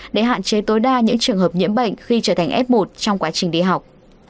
để hạn chế tối đa những trường hợp nhiễm bệnh khi trở thành f một trong quá trình đi học